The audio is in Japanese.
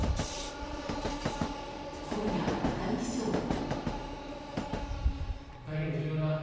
今夜、熱海市長は。